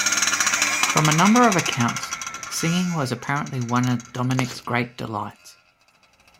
From a number of accounts, singing was apparently one of Dominic's great delights.